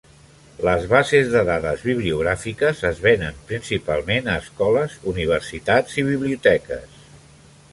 Les bases de dades bibliogràfiques es venen principalment a escoles, universitats i biblioteques.